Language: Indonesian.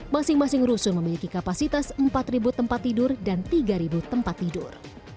masing masing rusun memiliki kapasitas empat tempat tidur dan tiga tempat tidur